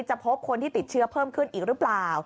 พบคนที่ติดเชื้อเพิ่มขึ้นอีกหรือเปล่า